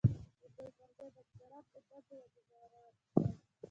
د دوی پر ځای بزګران په دندو وګمارل شول.